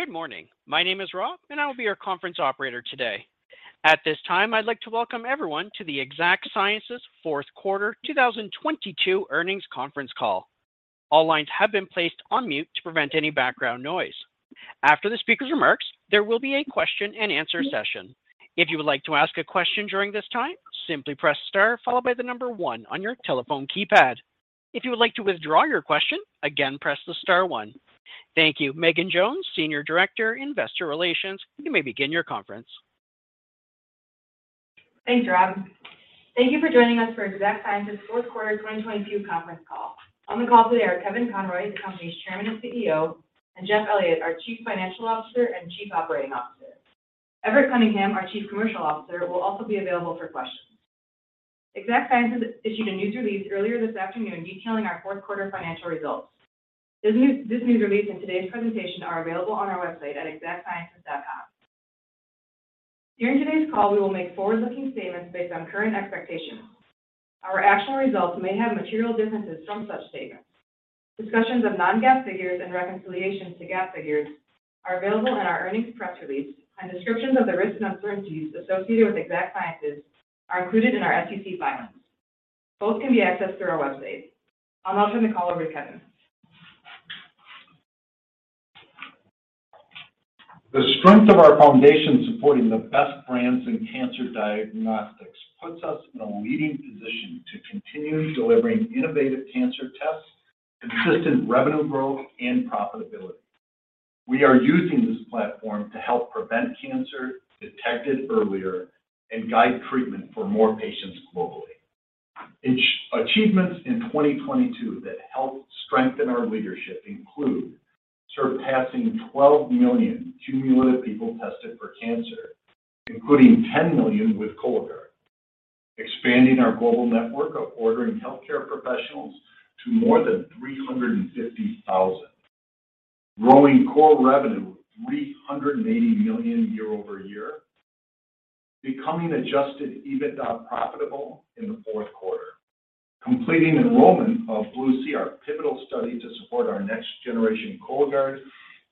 Good morning. My name is Rob. I will be your conference operator today. At this time, I'd like to welcome everyone to the Exact Sciences fourth quarter 2022 earnings conference call. All lines have been placed on mute to prevent any background noise. After the speaker's remarks, there will be a question-and-answer session. If you would like to ask a question during this time, simply press star followed by the number one one on your telephone keypad. If you would like to withdraw your question, again, press the star one. Thank you. Megan Jones, Senior Director, Investor Relations, you may begin your conference. Thanks, Rob. Thank you for joining us for Exact Sciences fourth quarter 2022 conference call. On the call today are Kevin Conroy, the company's Chairman and CEO, and Jeff Elliott, our Chief Financial Officer and Chief Operating Officer. Everett Cunningham, our Chief Commercial Officer, will also be available for questions. Exact Sciences issued a news release earlier this afternoon detailing our fourth quarter financial results. This news release and today's presentation are available on our website at exactsciences.com. During today's call, we will make forward-looking statements based on current expectations. Our actual results may have material differences from such statements. Discussions of non-GAAP figures and reconciliations to GAAP figures are available in our earnings press release, and descriptions of the risks and uncertainties associated with Exact Sciences are included in our SEC filings. Both can be accessed through our website. I'll now turn the call over to Kevin. The strength of our foundation supporting the best brands in cancer diagnostics puts us in a leading position to continue delivering innovative cancer tests, consistent revenue growth, and profitability. We are using this platform to help prevent cancer, detect it earlier, and guide treatment for more patients globally. Achievements in 2022 that helped strengthen our leadership include surpassing 12 million cumulative people tested for cancer, including 10 million with Cologuard, expanding our global network of ordering healthcare professionals to more than 350,000, growing core revenue $380 million year-over-year, becoming adjusted EBITDA profitable in the fourth quarter, completing enrollment of BLUE-C, our pivotal study to support our next generation Cologuard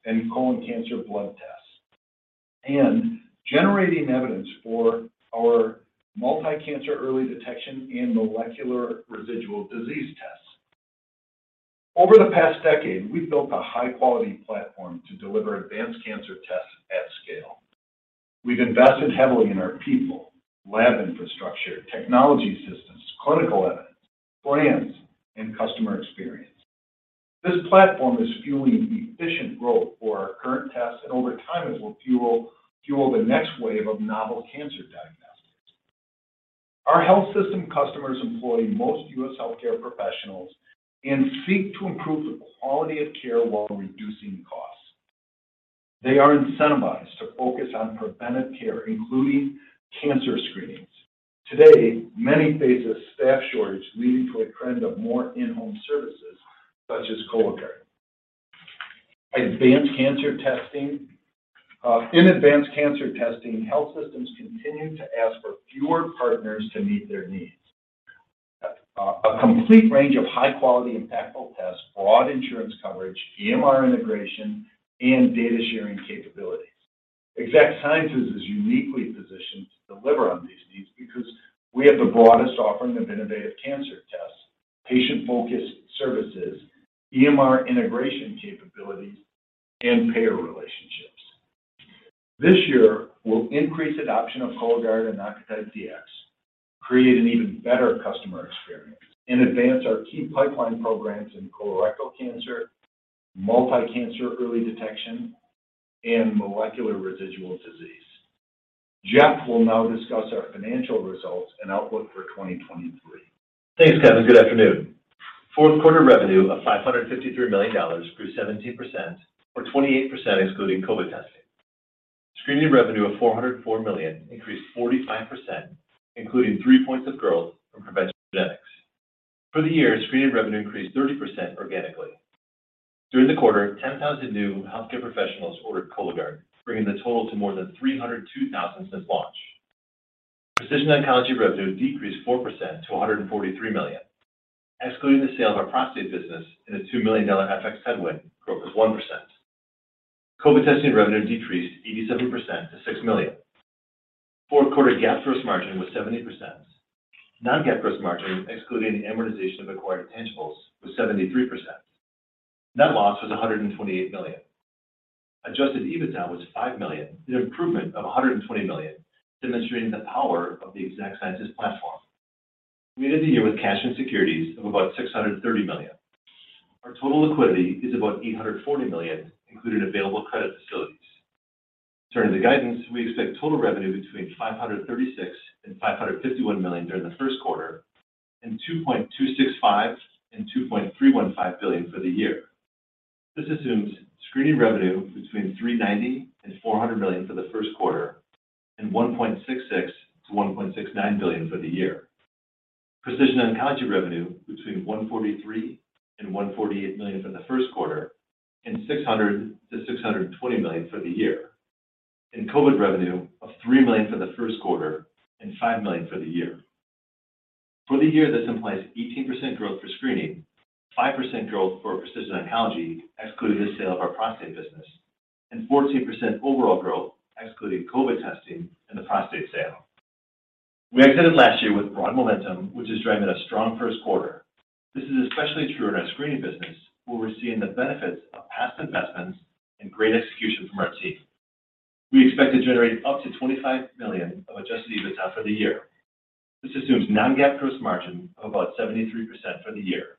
and colon cancer blood test, and generating evidence for our multi-cancer early detection and molecular residual disease tests. Over the past decade, we've built a high-quality platform to deliver advanced cancer tests at scale. We've invested heavily in our people, lab infrastructure, technology systems, clinical evidence, plans, and customer experience. This platform is fueling efficient growth for our current tests, and over time, it will fuel the next wave of novel cancer diagnostics. Our health system customers employ most U.S. healthcare professionals and seek to improve the quality of care while reducing costs. They are incentivized to focus on preventive care, including cancer screenings. Today, many face a staff shortage, leading to a trend of more in-home services such as Cologuard. Advanced cancer testing. In advanced cancer testing, health systems continue to ask for fewer partners to meet their needs. A complete range of high-quality, impactful tests, broad insurance coverage, EMR integration, and data-sharing capabilities. Exact Sciences is uniquely positioned to deliver on these needs because we have the broadest offering of innovative cancer tests, patient-focused services, EMR integration capabilities, and payer relationships. This year, we'll increase adoption of Cologuard and Oncotype DX, create an even better customer experience, and advance our key pipeline programs in colorectal cancer, multi-cancer early detection, and molecular residual disease. Jeff will now discuss our financial results and outlook for 2023. Thanks, Kevin. Good afternoon. Fourth quarter revenue of $553 million grew 17%, or 28% excluding COVID testing. Screening revenue of $404 million increased 45%, including three points of growth from professional genetics. For the year, screening revenue increased 30% organically. During the quarter, 10,000 new healthcare professionals ordered Cologuard, bringing the total to more than 302,000 since launch. Precision oncology revenue decreased 4% to $143 million. Excluding the sale of our prostate business and a $2 million FX headwind, growth was 1%. COVID testing revenue decreased 87% to $6 million. Fourth quarter GAAP gross margin was 70%. non-GAAP gross margin, excluding the amortization of acquired tangibles, was 73%. Net loss was $128 million. Adjusted EBITDA was $5 million, an improvement of $120 million, demonstrating the power of the Exact Sciences platform. We ended the year with cash and securities of about $630 million. Our total liquidity is about $840 million, including available credit facilities. In terms of guidance, we expect total revenue between $536 million and $551 million during the first quarter and $2.265 billion and $2.315 billion for the year. This assumes screening revenue between $390 million and $400 million for the first quarter and $1.66-1.69 billion for the year. Precision oncology revenue between $143 million and $148 million for the first quarter and $60-620 million for the year. COVID revenue of $3 million for the first quarter and $5 million for the year. For the year, this implies 18% growth for screening, 5% growth for precision oncology, excluding the sale of our prostate business, and 14% overall growth, excluding COVID testing and the prostate sale. We exited last year with broad momentum, which is driving a strong first quarter. This is especially true in our screening business, where we're seeing the benefits of past investments and great execution from our team. We expect to generate up to $25 million of adjusted EBITDA for the year. This assumes non-GAAP gross margin of about 73% for the year.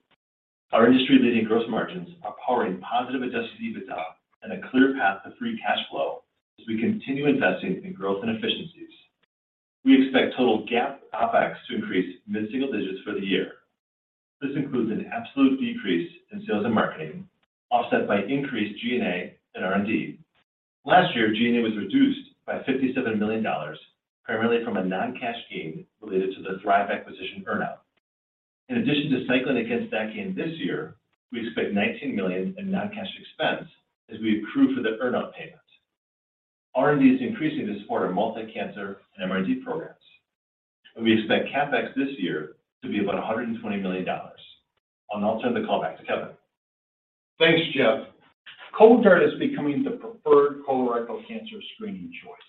Our industry-leading gross margins are powering positive Adjusted EBITDA and a clear path to free cash flow as we continue investing in growth and efficiencies. We expect total GAAP CapEx to increase mid-single digits for the year. This includes an absolute decrease in sales and marketing, offset by increased G&A and R&D. Last year, G&A was reduced by $57 million, primarily from a non-cash gain related to the Thrive acquisition earn-out. In addition to cycling against that gain this year, we expect $19 million in non-cash expense as we accrue for the earn-out payment. R&D is increasing to support our multi-cancer and MRD programs. We expect CapEx this year to be about $120 million. I'll now turn the call back to Kevin. Thanks, Jeff. Cologuard is becoming the preferred colorectal cancer screening choice.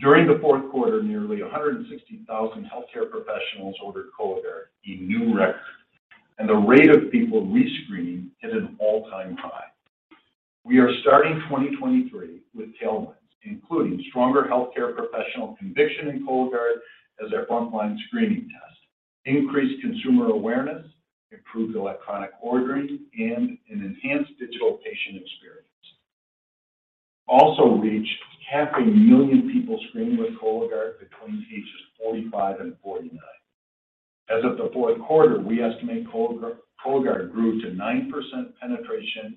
During the fourth quarter, nearly 116,000 healthcare professionals ordered Cologuard, a new record. The rate of people rescreening hit an all-time high. We are starting 2023 with tailwinds, including stronger healthcare professional conviction in Cologuard as their frontline screening test, increased consumer awareness, improved electronic ordering, and an enhanced digital patient experience. Also reached half a million people screened with Cologuard between ages 45 and 49. As of the fourth quarter, we estimate Cologuard grew to 9% penetration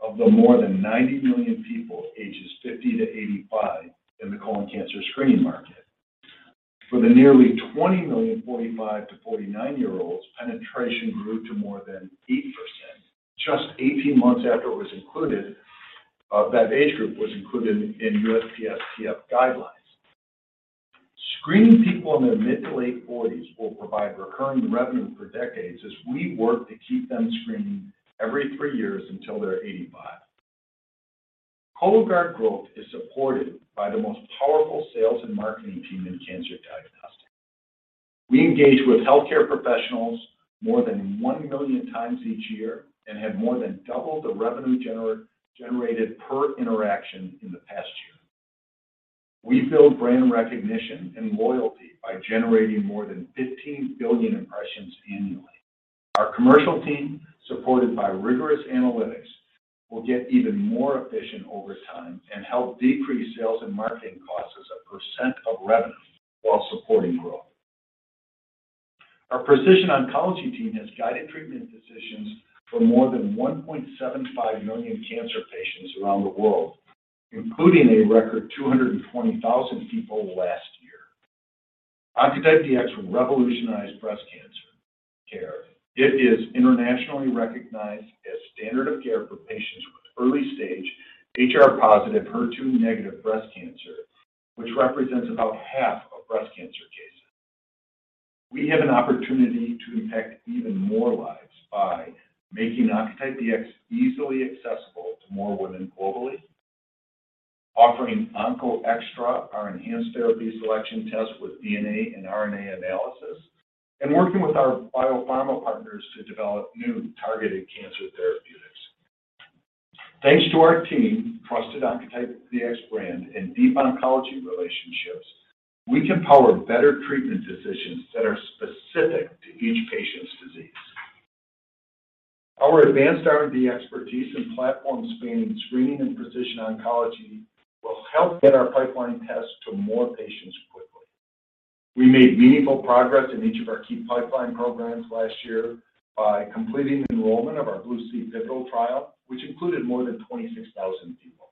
of the more than 90 million people ages 50 to 85 in the colon cancer screening market. For the nearly 20 million 45 to 49-year-olds, penetration grew to more than 8% just 18 months after it was included, that age group was included in USPSTF guidelines. Screening people in their mid to late forties will provide recurring revenue for decades as we work to keep them screening every three years until they're 85. Cologuard growth is supported by the most powerful sales and marketing team in cancer diagnostics. We engage with healthcare professionals more than 1 million times each year and have more than doubled the revenue generated per interaction in the past year. We build brand recognition and loyalty by generating more than 15 billion impressions annually. Our commercial team, supported by rigorous analytics, will get even more efficient over time and help decrease sales and marketing costs as a percentage of revenue while supporting growth. Our precision oncology team has guided treatment decisions for more than 1.75 million cancer patients around the world, including a record 220,000 people last year. Oncotype DX will revolutionize breast cancer care. It is internationally recognized as standard of care for patients with early-stage HR-positive, HER2-negative breast cancer, which represents about half of breast cancer cases. We have an opportunity to impact even more lives by making Oncotype DX easily accessible to more women globally, offering OncoExtra, our enhanced therapy selection test with DNA and RNA analysis, and working with our biopharma partners to develop new targeted cancer therapeutics. Thanks to our team, trusted Oncotype DX brand, and deep oncology relationships, we can power better treatment decisions that are specific to each patient's disease. Our advanced R&D expertise and platform spanning screening and precision oncology will help get our pipeline tests to more patients quickly. We made meaningful progress in each of our key pipeline programs last year by completing enrollment of our BLUE-C pivotal trial, which included more than 26,000 people.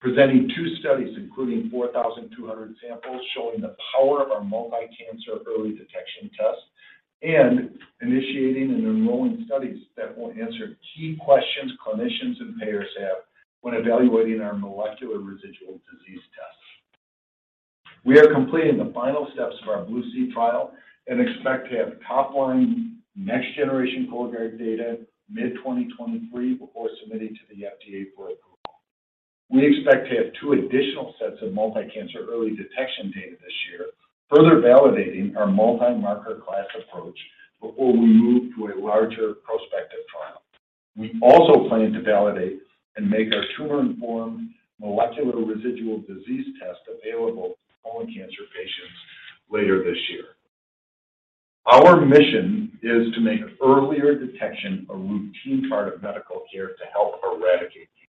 Presenting two studies, including 4,200 samples, showing the power of our multi-cancer early detection test and initiating and enrolling studies that will answer key questions clinicians and payers have when evaluating our molecular residual disease test. We are completing the final steps of our BLUE-C trial and expect to have top-line next-generation Cologuard data mid-2023 before submitting to the FDA for approval. We expect to have two additional sets of multi-cancer early detection data this year, further validating our multi-marker class approach before we move to a larger prospective trial. We also plan to validate and make our tumor-informed molecular residual disease test available to colon cancer patients later this year. Our mission is to make earlier detection a routine part of medical care to help eradicate cancer.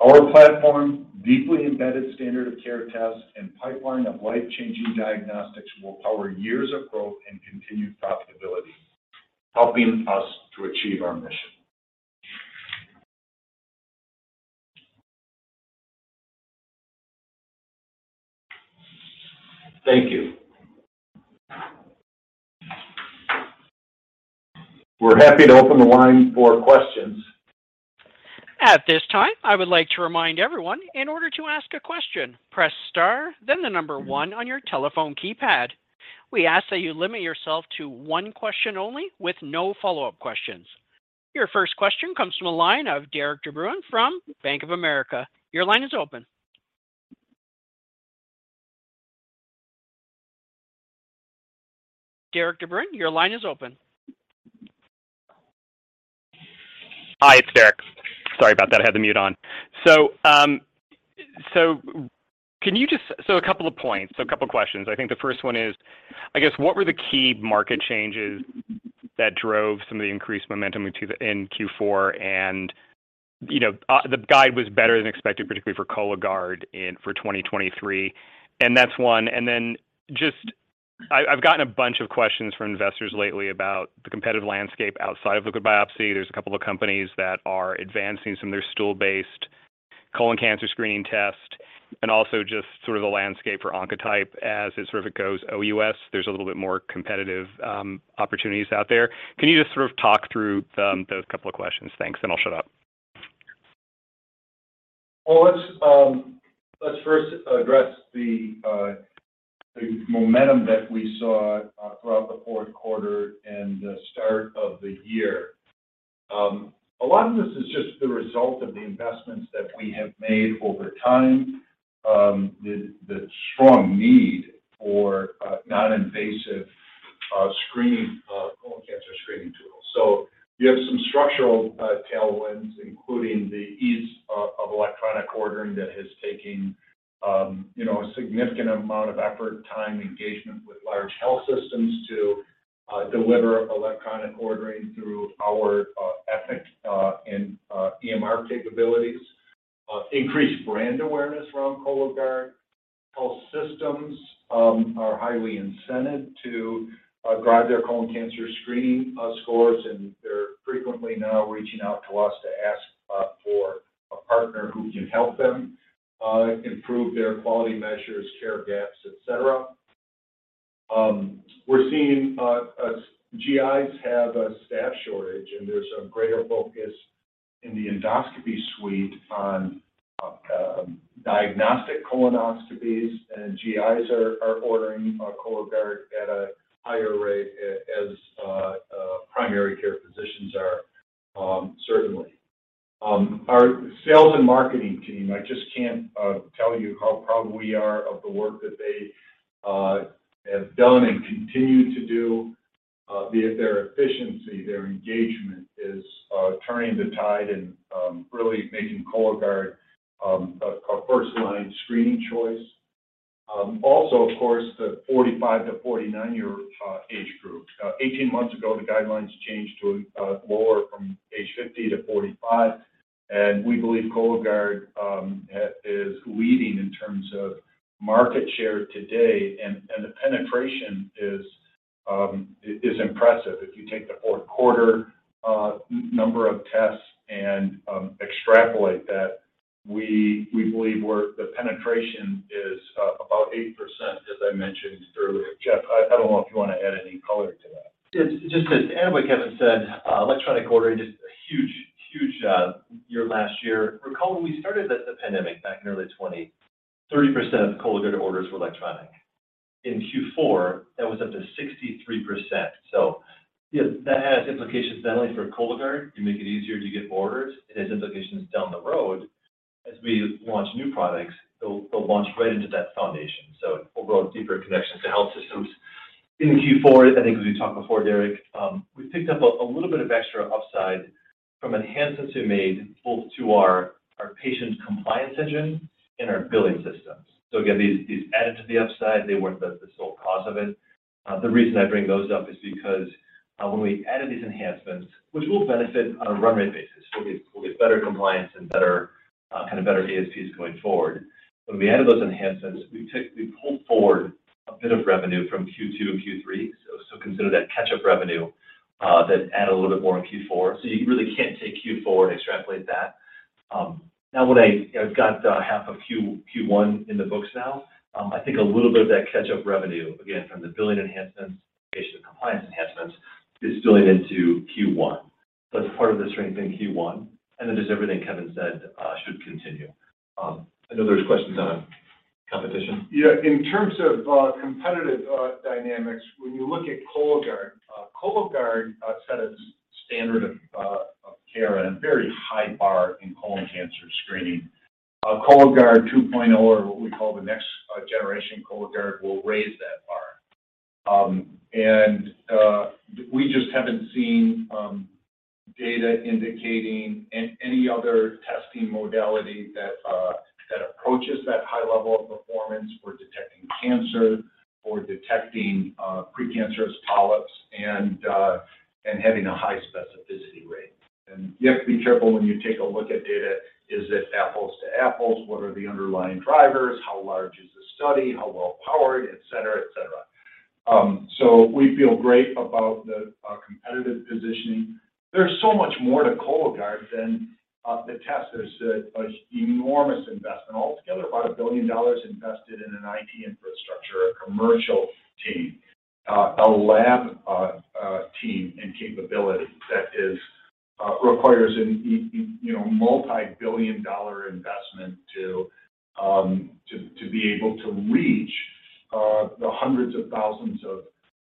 Our platform, deeply embedded standard of care tests, and pipeline of life-changing diagnostics will power years of growth and continued profitability, helping us to achieve our mission. Thank you. We're happy to open the line for questions. At this time, I would like to remind everyone in order to ask a question, press star, then the number one on your telephone keypad. We ask that you limit yourself to 1 question only with no follow-up questions. Your first question comes from a line of Derik De Bruin from Bank of America. Your line is open. Derik De Bruin, your line is open. Hi, it's Derik. Sorry about that. I had the mute on. A couple of questions. I think the first one is, what were the key market changes that drove some of the increased momentum in Q4? You know, the guide was better than expected, particularly for Cologuard and for 2023. That's one. Just I've gotten a bunch of questions from investors lately about the competitive landscape outside of liquid biopsy. There's a couple of companies that are advancing some of their stool-based colon cancer screening test and also just sort of the landscape for Oncotype as it sort of goes OUS. There's a little bit more competitive opportunities out there. Can you just sort of talk through them, those couple of questions? Thanks. I'll shut up. Well, let's first address the momentum that we saw throughout the fourth quarter and the start of the year. A lot of this is just the result of the investments that we have made over time, the strong need for non-invasive screening, colon cancer screening tools. You have some structural tailwinds, including the ease of electronic ordering that has taken, you know, a significant amount of effort, time, engagement with large health systems to deliver electronic ordering through our Epic and EMR capabilities. Increased brand awareness around Cologuard. Health systems are highly incented to drive their colon cancer screening scores, and they're frequently now reaching out to us to ask for a partner who can help them improve their quality measures, care gaps, et cetera. We're seeing GIs have a staff shortage, there's a greater focus in the endoscopy suite on diagnostic colonoscopies. GIs are ordering Cologuard at a higher rate as primary care physicians are, certainly. Our sales and marketing team, I just can't tell you how proud we are of the work that they have done and continue to do. Be it their efficiency, their engagement is turning the tide and really making Cologuard a first-line screening choice. Also, of course, the 45 to 49 year age group. 18 months ago, the guidelines changed to lower from age 50 to 45, we believe Cologuard is leading in terms of market share today. The penetration is impressive. If you take the fourth quarter, number of tests and extrapolate that, we believe the penetration is about 8%, as I mentioned earlier. Jeff, I don't know if you want to add any color to that. Just to add what Kevin said, electronic ordering is a huge year last year. Recall when we started at the pandemic back in early 2020, 30% of Cologuard orders were electronic. In Q4, that was up to 63%. That has implications not only for Cologuard, to make it easier to get orders, it has implications down the road. As we launch new products, they'll launch right into that foundation. It will grow deeper connections to health systems. In Q4, I think as we talked before, Derik, we picked up a little bit of extra upside from enhancements we made both to our patient compliance engine and our billing systems. Again, these added to the upside, they weren't the sole cause of it. The reason I bring those up is because when we added these enhancements, which will benefit on a run rate basis, we'll get better compliance and better ASPs going forward. When we added those enhancements, we pulled forward a bit of revenue from Q2 to Q3. Consider that catch-up revenue that add a little bit more in Q4. You really can't take Q4 and extrapolate that. Now when I've got half of Q1 in the books now, I think a little bit of that catch-up revenue, again, from the billing enhancements, patient compliance enhancements is going into Q1. It's part of the strength in Q1. Then just everything Kevin said should continue. I know there's questions on competition. Yeah. In terms of competitive dynamics, when you look at Cologuard set a standard of care and a very high bar in colon cancer screening. Cologuard 2.0, or what we call the next-generation Cologuard, will raise that bar. We just haven't seen data indicating any other testing modality that approaches that high level of performance for detecting cancer or detecting precancerous polyps and having a high specificity rate. You have to be careful when you take a look at data, is it apples to apples? What are the underlying drivers? How large is the study, how well powered, et cetera, et cetera. We feel great about the competitive positioning. There's so much more to Cologuard than the test. There's enormous investment, altogether about $1 billion invested in an IT infrastructure, a commercial team, a lab team and capability that is, you know, multi-billion dollar investment to be able to reach the hundreds of thousands of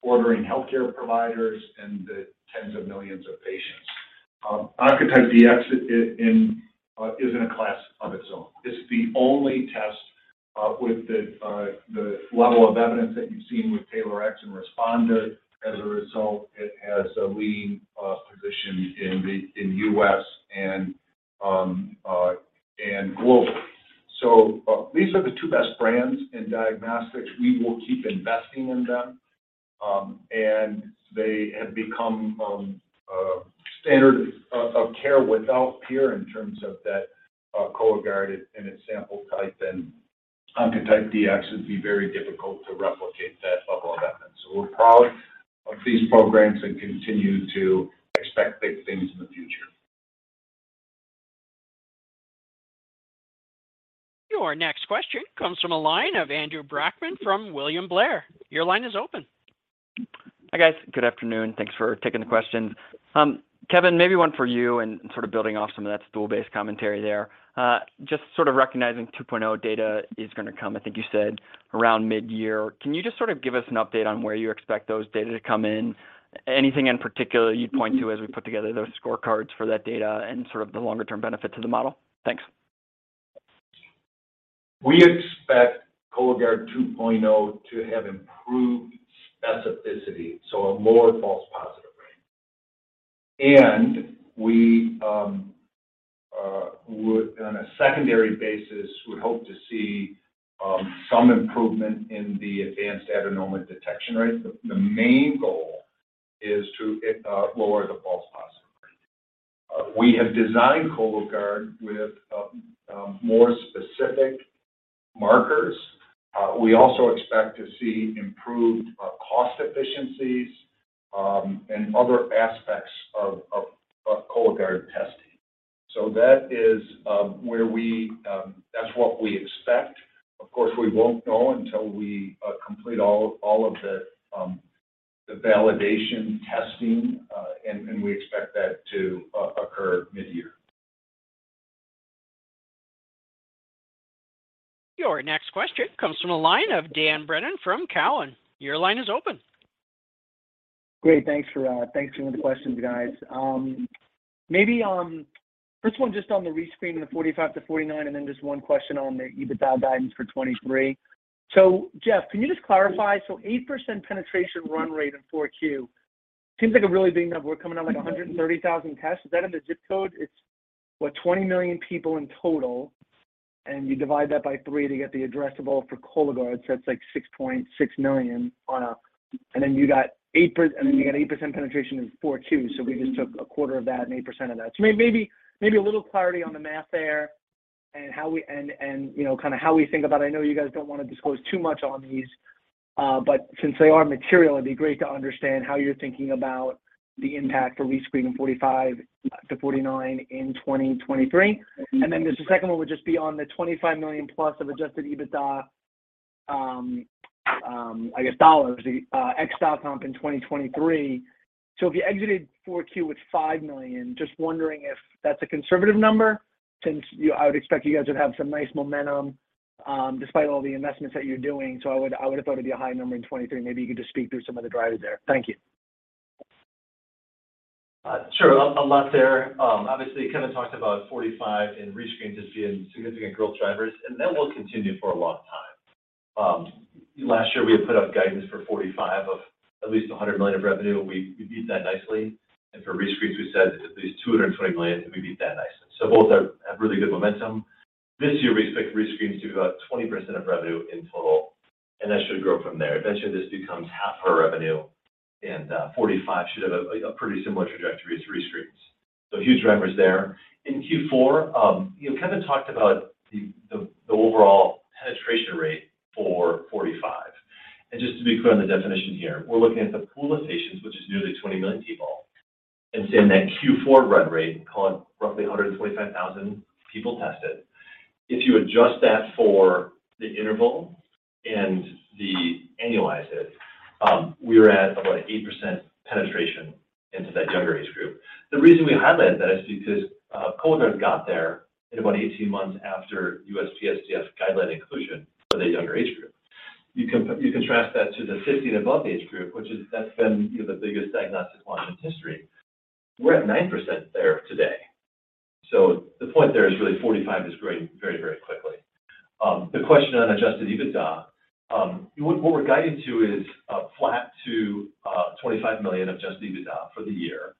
ordering healthcare providers and the tens of millions of patients. Oncotype DX is in a class of its own. It's the only test with the level of evidence that you've seen with TAILORx and RxPONDER. As a result, it has a leading position in the U.S. and globally. These are the two best brands in diagnostics. We will keep investing in them, and they have become, a standard of care without peer in terms of that, Cologuard and its sample type and Oncotype DX. It'd be very difficult to replicate that level of effort. We're proud of these programs and continue to expect big things in the future. Your next question comes from a line of Andrew Brackmann from William Blair. Your line is open. Hi, guys. Good afternoon. Thanks for taking the question. Kevin, maybe one for you and sort of building off some of that stool-based commentary there. Just sort of recognizing 2.0 data is gonna come, I think you said around mid-year. Can you just sort of give us an update on where you expect those data to come in? Anything in particular you'd point to as we put together those scorecards for that data and sort of the longer term benefit to the model? Thanks. We expect Cologuard 2.0 to have improved specificity, so a lower false positive rate. We on a secondary basis, would hope to see some improvement in the advanced adenoma detection rate. The main goal is to lower the false positive rate. We have designed Cologuard with more specific markers. We also expect to see improved cost efficiencies and other aspects of Cologuard testing. That's what we expect. Of course, we won't know until we complete all of the validation testing. We expect that to occur mid-year. Your next question comes from a line of Dan Brennan from Cowen. Your line is open. Great. Thanks for the questions, guys. Maybe, first one just on the rescreening of 45 to 49, and then just one question on the EBITDA guidance for 2023. Jeff, can you just clarify? 8% penetration run rate in 4Q seems like a really big number. We're coming down like 130,000 tests. Is that in the zip code? It's, what, 20 million people in total, and you divide that by three to get the addressable for Cologuard, so that's like 6.6 million on a... Then you got 8% penetration in 4Qs, so we just took a quarter of that and 8% of that. Maybe a little clarity on the math there and how we... You know, kinda how we think about it. I know you guys don't wanna disclose too much on these, but since they are material, it'd be great to understand how you're thinking about the impact for rescreening 45-49 in 2023. The second one would just be on the +$25 million of adjusted EBITDA ex comp in 2023. If you exited Q4 with $5 million, just wondering if that's a conservative number since I would expect you guys would have some nice momentum despite all the investments that you're doing. I would have thought it'd be a high number in 2023. Maybe you could just speak through some of the drivers there. Thank you. Sure. A lot there. Obviously, Kevin talked about 45 and rescreen just being significant growth drivers, and that will continue for a long time. Last year, we had put up guidance for 45 of at least $100 million of revenue. We beat that nicely. For rescreens, we said at least $220 million, and we beat that nicely. Both are, have really good momentum. This year, we expect rescreens to be about 20% of revenue in total, and that should grow from there. Eventually, this becomes half our revenue, and 45 should have a pretty similar trajectory as rescreens. Huge drivers there. In Q4, you know, Kevin talked about the overall penetration rate for 45. Just to be clear on the definition here, we're looking at the pool of patients, which is nearly 20 million people. In that Q4 run rate, call it roughly 125,000 people tested. If you adjust that for the interval and annualize it, we're at about 8% penetration into that younger age group. The reason we highlight that is because Cologuard got there in about 18 months after USPSTF guideline inclusion for that younger age group. You contrast that to the 60 and above age group, that's been, you know, the biggest diagnostic launch in history. We're at 9% there today. The point there is really 45 is growing very, very quickly. The question on adjusted EBITDA, what we're guiding to is flat to $25 million adjusted EBITDA for the year.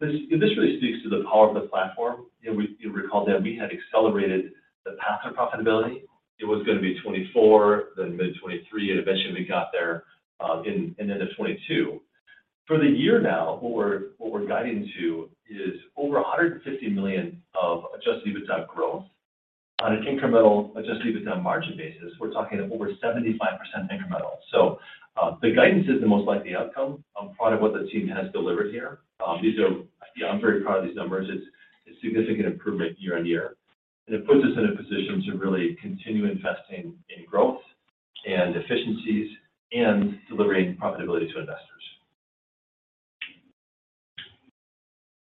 This really speaks to the power of the platform. You know, you'll recall that we had accelerated the path to profitability. It was gonna be 2024, then mid-2023, and eventually we got there, in end of 2022. For the year now, what we're guiding to is over $150 million of adjusted EBITDA growth. On an incremental adjusted EBITDA margin basis, we're talking over 75% incremental. The guidance is the most likely outcome. I'm proud of what the team has delivered here. You know, I'm very proud of these numbers. It's a significant improvement year-over-year, and it puts us in a position to really continue investing in growth and efficiencies and delivering profitability to investors.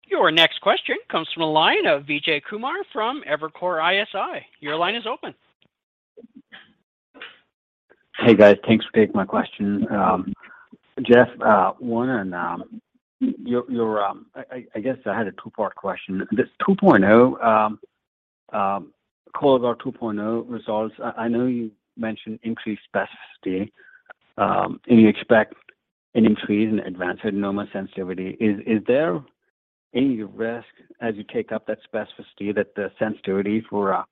Your next question comes from the line of Vijay Kumar from Evercore ISI. Your line is open. Hey, guys. Thanks for taking my question. Jeff, one, and your, I guess I had a two-part question. This 2.0 Cologuard 2.0 results, I know you mentioned increased specificity, and you expect an increase in advanced adenoma sensitivity. Is there any risk as you take up that specificity that the sensitivity for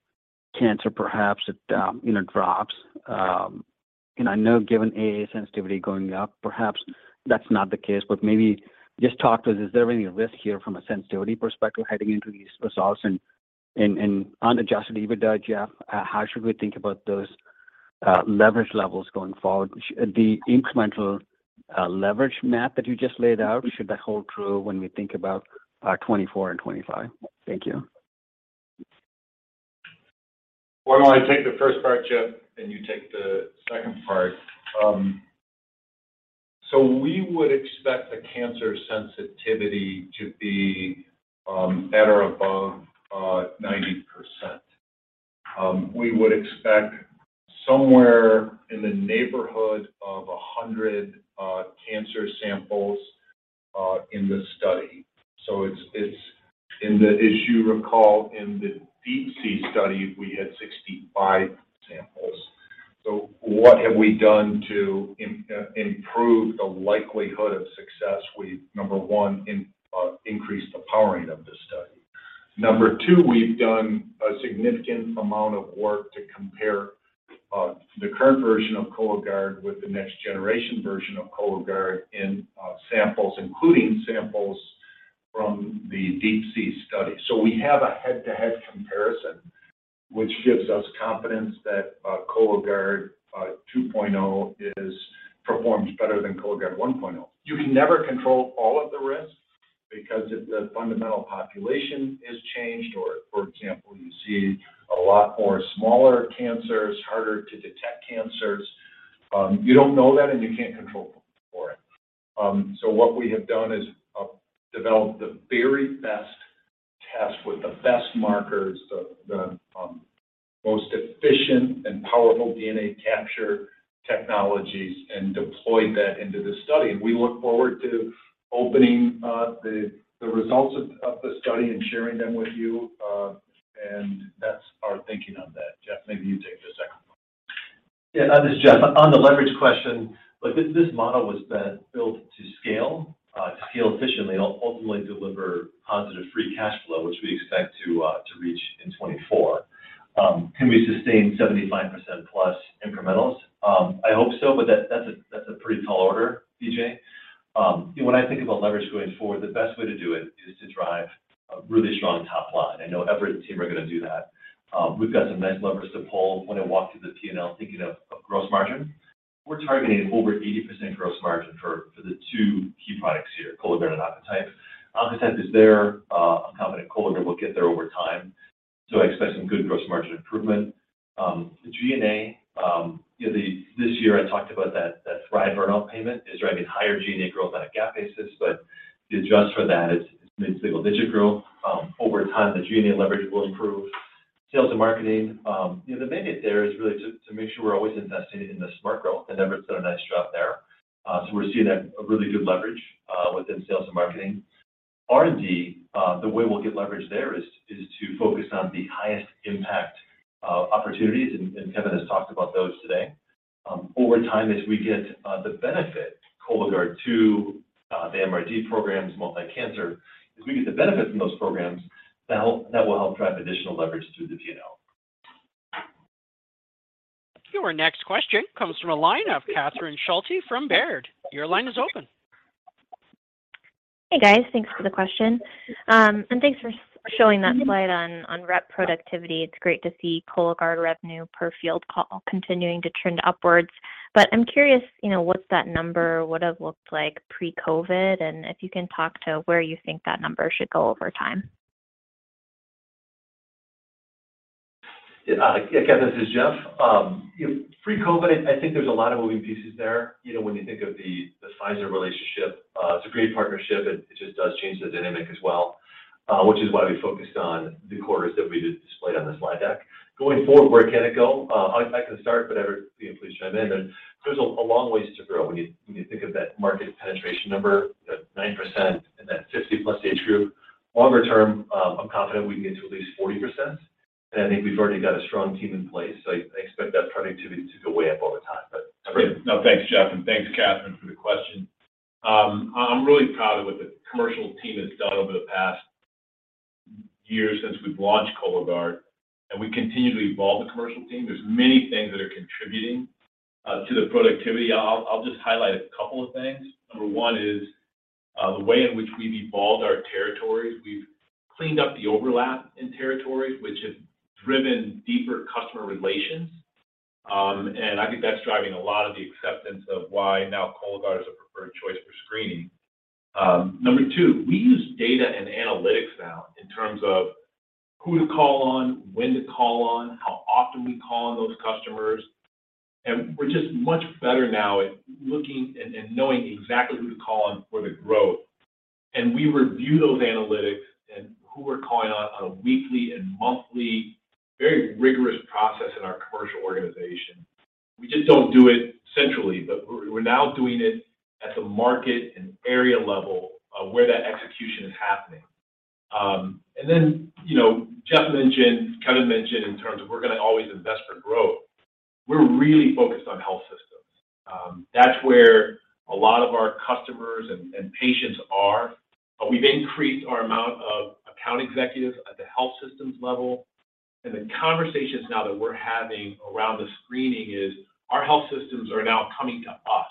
cancer perhaps it, you know, drops? You know, I know given AA sensitivity going up, perhaps that's not the case, but maybe just talk to us, is there any risk here from a sensitivity perspective heading into these results? On adjusted EBITDA, Jeff, how should we think about those leverage levels going forward? The incremental leverage map that you just laid out, should that hold true when we think about 24 and 25? Thank you. Why don't I take the first part, Jeff, and you take the second part? We would expect the cancer sensitivity to be at or above 90%. We would expect somewhere in the neighborhood of 100 cancer samples in the study. As you recall, in the DEEP-C study, we had 65 samples. What have we done to improve the likelihood of success? We've, number one, increased the powering of this study. Number two, we've done a significant amount of work to compare the current version of Cologuard with the next generation version of Cologuard in samples, including samples from the DEEP-C study. We have a head-to-head comparison, which gives us confidence that Cologuard 2.0 performs better than Cologuard 1.0. You can never control all of the risks, because if the fundamental population is changed or, for example, you see a lot more smaller cancers, harder to detect cancers, you don't know that, and you can't control for it. What we have done is, develop the very best test with the best markers, the, most efficient and powerful DNA capture technologies and deployed that into the study. We look forward to opening, the results of the study and sharing them with you. That's our thinking on that. Jeff, maybe you take the second one. This is Jeff. On the leverage question, look, this model was built to scale, to scale efficiently and ultimately deliver positive free cash flow, which we expect to reach in 2024. Can we sustain 75% plus incrementals? I hope so, but that's a, that's a pretty tall order, Vijay. You know, when I think about leverage going forward, the best way to do it is to drive a really strong top line. I know Everett and the team are gonna do that. We've got some nice levers to pull when I walk through the P&L, thinking of gross margin. We're targeting over 80% gross margin for the two key products here, Cologuard and Oncotype. Oncotype is there. I'm confident Cologuard will get there over time. I expect some good gross margin improvement. The G&A, you know, this year I talked about that Thrive earn-out payment. It's driving higher G&A growth on a GAAP basis, but you adjust for that, it's mid-single digit growth. Over time, the G&A leverage will improve. Sales and marketing, you know, the mandate there is really to make sure we're always investing in the smart growth. Everett's done a nice job there. We're seeing a really good leverage within sales and marketing. R&D, the way we'll get leverage there is to focus on the highest impact opportunities. Kevin has talked about those today. Over time, as we get the benefit, Cologuard 2.0, the MRD programs, multi-cancer, as we get the benefit from those programs, that will help drive additional leverage through the P&L. Your next question comes from a line of Catherine Schulte from Baird. Your line is open. Hey, guys. Thanks for the question. Thanks for showing that slide on rep productivity. It's great to see Cologuard revenue per field call continuing to trend upwards. I'm curious, you know, what's that number would've looked like pre-COVID, and if you can talk to where you think that number should go over time. Catherine, this is Jeff. You know, pre-COVID, I think there's a lot of moving pieces there, you know, when you think of the Pfizer relationship. It's a great partnership. It, it just does change the dynamic as well, which is why we focused on the quarters that we displayed on the slide deck. Going forward, where can it go? I can start, but Everett, you know, please chime in then. There's a long ways to grow when you, when you think of that market penetration number, the 9% in that 50-plus age group. Longer term, I'm confident we can get to at least 40%, and I think we've already got a strong team in place, so I expect that productivity to go way up over time. Everett? No. Thanks, Jeff, and thanks, Catherine, for the question. I'm really proud of what the commercial team has done over the past years since we've launched Cologuard, and we continue to evolve the commercial team. There's many things that are contributing to the productivity. I'll just highlight a couple of things. Number one is- The way in which we've evolved our territories, we've cleaned up the overlap in territories, which has driven deeper customer relations. I think that's driving a lot of the acceptance of why now Cologuard is a preferred choice for screening. Number two, we use data and analytics now in terms of who to call on, when to call on, how often we call on those customers. We're just much better now at looking and knowing exactly who to call on for the growth. We review those analytics and who we're calling on a weekly and monthly, very rigorous process in our commercial organization. We just don't do it centrally, but we're now doing it at the market and area level, where that execution is happening. You know, Jeff mentioned, Kevin mentioned in terms of we're gonna always invest for growth. We're really focused on health systems. That's where a lot of our customers and patients are. We've increased our amount of account executives at the health systems level. The conversations now that we're having around the screening is our health systems are now coming to us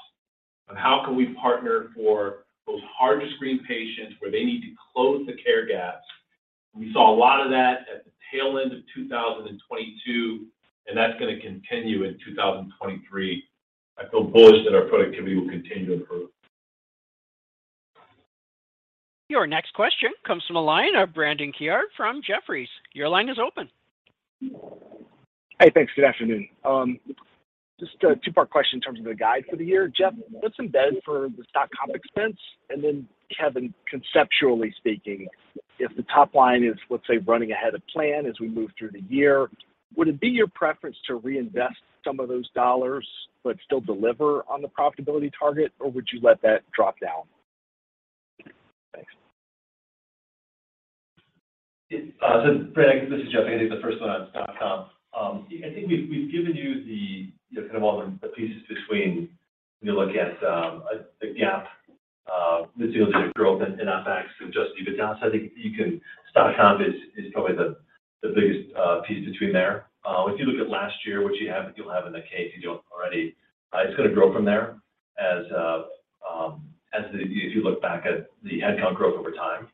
on how can we partner for those hard-to-screen patients where they need to close the care gaps. We saw a lot of that at the tail end of 2022, that's gonna continue in 2023. I feel bullish that our productivity will continue to improve. Your next question comes from the line of Brandon Caron from Jefferies. Your line is open. Hey, thanks. Good afternoon. Just a two-part question in terms of the guide for the year. Jeff, what's in bed for the stock comp expense? Kevin, conceptually speaking, if the top line is, let's say, running ahead of plan as we move through the year, would it be your preference to reinvest some of those dollars, but still deliver on the profitability target, or would you let that drop down? Thanks. So Brandon, this is Jeff. I think the first one on stock comp. I think we've given you the, you know, kind of all the pieces between when you look at a GAAP, the sales unit growth and OpEx of just unit down. I think you can. Stock comp is probably the biggest piece between there. If you look at last year, what you have, you'll have in the K if you don't already, it's going to grow from there as if you look back at the headcount growth over time.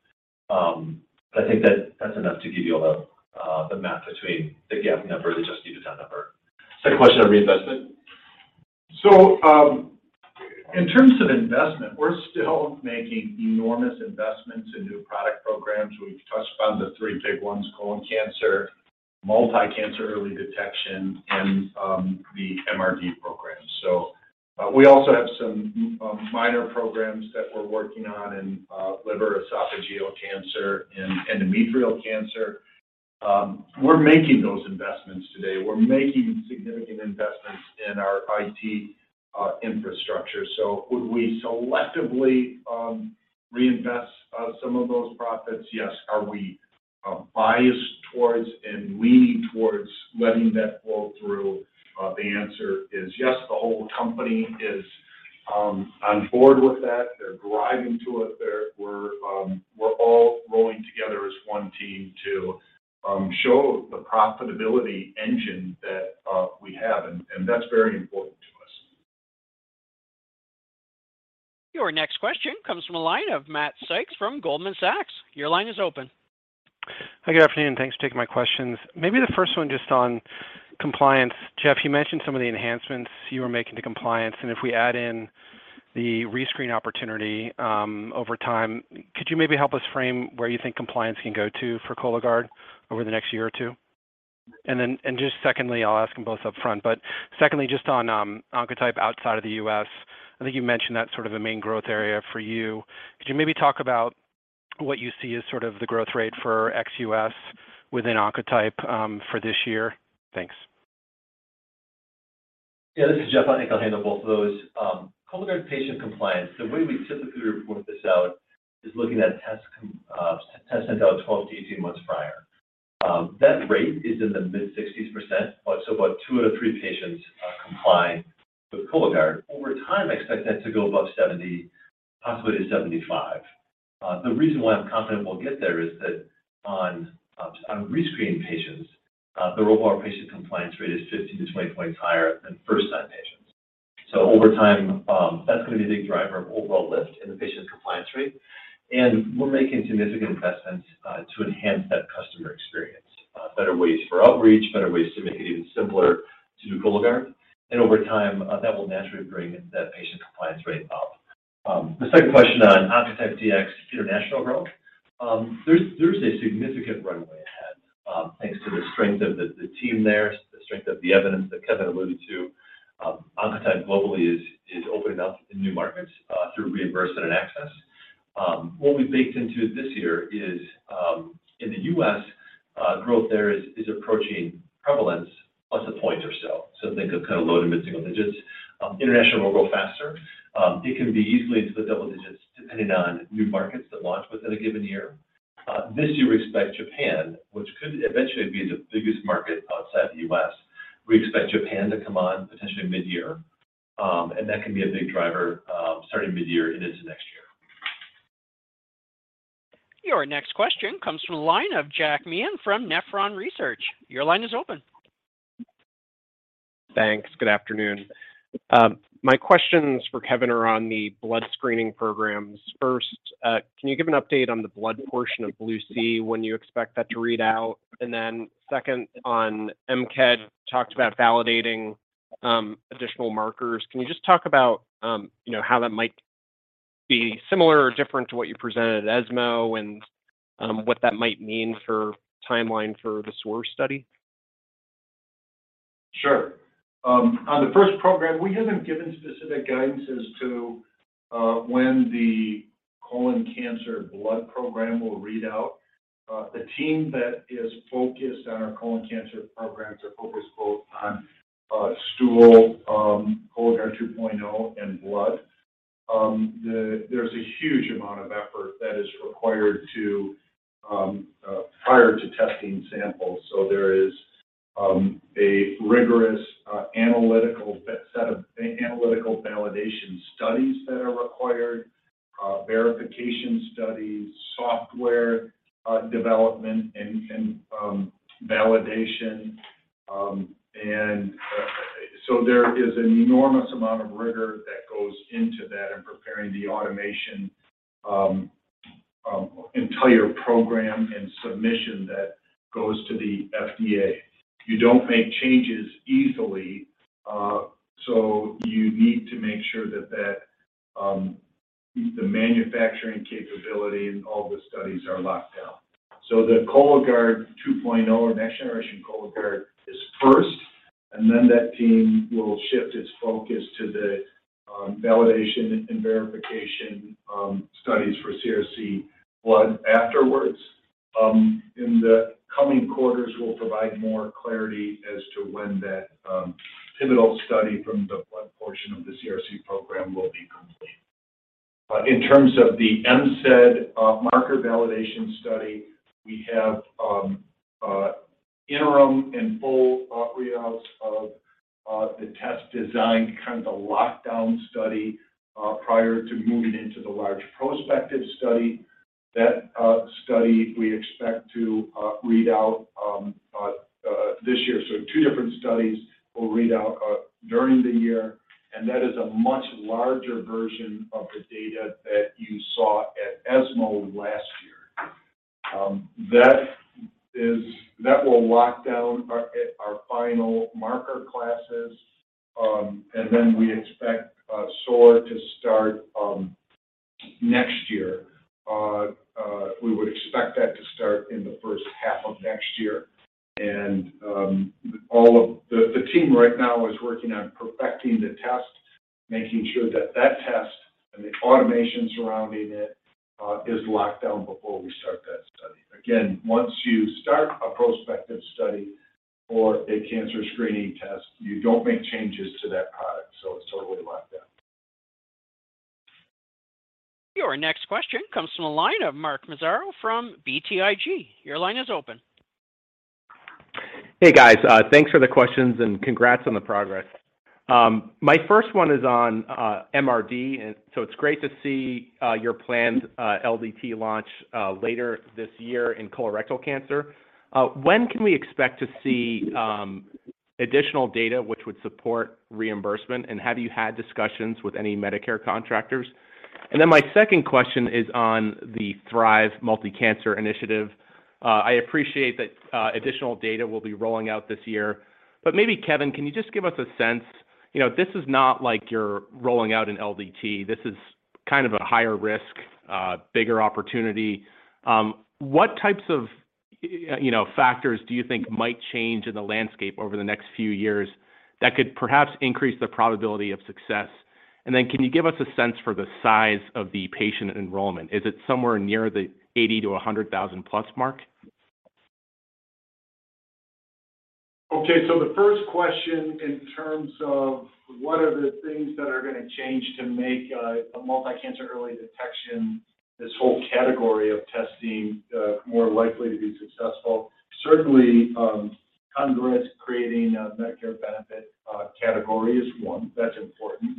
I think that that's enough to give you all the math between the GAAP number and the just unit down number. Second question on reinvestment? In terms of investment, we're still making enormous investments in new product programs. We've touched upon the three big ones: colon cancer, multi-cancer early detection, and the MRD program. We also have some minor programs that we're working on in liver esophageal cancer and endometrial cancer. We're making those investments today. We're making significant investments in our IT infrastructure. Would we selectively reinvest some of those profits? Yes. Are we biased towards and leaning towards letting that flow through? The answer is yes. The whole company is on board with that. They're driving to it. We're all rowing together as one team to show the profitability engine that we have, and that's very important to us. Your next question comes from a line of Matt Sykes from Goldman Sachs. Your line is open. Hi, good afternoon. Thanks for taking my questions. Maybe the first one just on compliance. Jeff, you mentioned some of the enhancements you were making to compliance, and if we add in the rescreen opportunity, over time, could you maybe help us frame where you think compliance can go to for Cologuard over the next year or two? Just secondly, I'll ask them both upfront, but secondly, just on Oncotype outside of the U.S. I think you mentioned that's sort of the main growth area for you. Could you maybe talk about what you see as sort of the growth rate for ex-U.S. within Oncotype for this year? Thanks. Yeah, this is Jeff. I think I'll handle both of those. Cologuard patient compliance, the way we typically report this out is looking at tests sent out 12-18 months prior. That rate is in the mid-60s%, so about two out of three patients comply with Cologuard. Over time, I expect that to go above 70, possibly to 75. The reason why I'm confident we'll get there is that on rescreen patients, the overall patient compliance rate is 50-20 points higher than first-time patients. Over time, that's gonna be a big driver of overall lift in the patient compliance rate. We're making significant investments to enhance that customer experience, better ways for outreach, better ways to make it even simpler to do Cologuard. Over time, that will naturally bring that patient compliance rate up. The second question on Oncotype DX international growth, there's a significant runway ahead, thanks to the strength of the team there, the strength of the evidence that Kevin alluded to. Oncotype globally is opening up in new markets through reimbursement and access. What we've baked into this year is in the U.S., growth there is approaching prevalence plus a point or so. Think of kind of low to mid single digits. International will grow faster. It can be easily into the double digits depending on new markets that launch within a given year. This year, we expect Japan, which could eventually be the biggest market outside the U.S. We expect Japan to come on potentially mid-year, and that can be a big driver, starting mid-year and into next year. Your next question comes from the line of Jack Meehan from Nephron Research. Your line is open. Thanks. Good afternoon. My questions for Kevin are on the blood screening programs. First, can you give an update on the blood portion of BLUE-C, when you expect that to read out? Second, on MCED, talked about validating additional markers. Can you just talk about, you know, how that might be similar or different to what you presented at ESMO and what that might mean for timeline for the SOAR study? Sure. On the first program, we haven't given specific guidance as to when the colon cancer blood program will read out. The team that is focused on our colon cancer programs are focused both on stool, Cologuard 2.0, and blood. There's a huge amount of effort that is required prior to testing samples. There is a rigorous set of analytical validation studies that are required, verification studies, software development, and validation. There is an enormous amount of rigor that goes into that in preparing the automation, entire program and submission that goes to the FDA. You don't make changes easily, so you need to make sure that the manufacturing capability and all the studies are locked down. The Cologuard 2.0, or next-generation Cologuard, is first, and then that team will shift its focus to the validation and verification studies for CRC blood afterwards. In the coming quarters, we'll provide more clarity as to when that pivotal study from the blood portion of the CRC program will be complete. In terms of the MCED marker validation study, we have interim and full readouts of the test design, kind of the lockdown study, prior to moving into the large prospective study. That study we expect to read out this year. Two different studies will read out during the year, and that is a much larger version of the data that you saw at ESMO last year. That will lock down our final marker classes, and then we expect SOAR to start next year. We would expect that to start in the first half of next year. The team right now is working on perfecting the test, making sure that that test and the automation surrounding it is locked down before we start that study. Once you start a prospective study for a cancer screening test, you don't make changes to that product, so it's totally locked down. Your next question comes from the line of Mark Massaro from BTIG. Your line is open. Hey, guys. Thanks for the questions and congrats on the progress. My first one is on MRD, it's great to see your planned LDT launch later this year in colorectal cancer. When can we expect to see additional data which would support reimbursement, have you had discussions with any Medicare contractors? My second question is on the Thrive multi-cancer initiative. I appreciate that additional data will be rolling out this year. Maybe, Kevin, can you just give us a sense... You know, this is not like you're rolling out an LDT. This is kind of a higher risk, bigger opportunity. What types of, you know, factors do you think might change in the landscape over the next few years that could perhaps increase the probability of success? Can you give us a sense for the size of the patient enrollment? Is it somewhere near the 80,000-100,000-plus mark? Okay. The first question in terms of what are the things that are gonna change to make a multi-cancer early detection, this whole category of testing, more likely to be successful. Certainly, Congress creating a Medicare benefit category is one. That's important.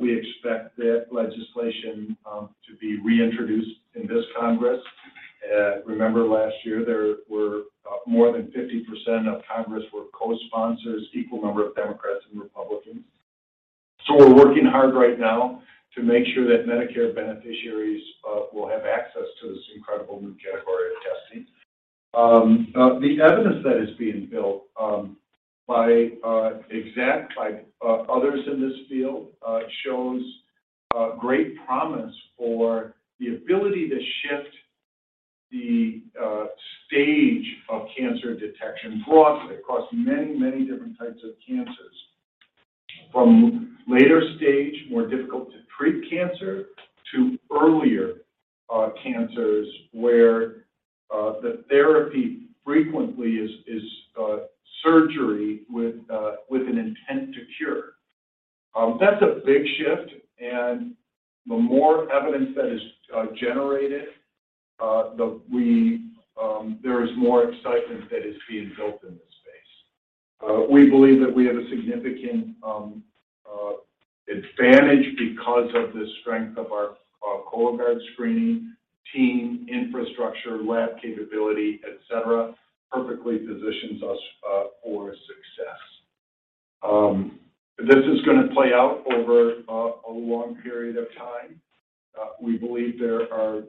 We expect that legislation to be reintroduced in this Congress. Remember last year, there were more than 50% of Congress were co-sponsors, equal number of Democrats and Republicans. We're working hard right now to make sure that Medicare beneficiaries will have access to this incredible new category of testing. The evidence that is being built by Exact, by others in this field, shows great promise for the ability to shift the stage of cancer detection broadly across many, many different types of cancers. From later stage, more difficult to treat cancer to earlier, cancers where the therapy frequently is surgery with an intent to cure. That's a big shift. The more evidence that is generated, there is more excitement that is being built in this space. We believe that we have a significant advantage because of the strength of our Cologuard screening team, infrastructure, lab capability, etc., perfectly positions us for success. This is gonna play out over a long period of time. We believe there are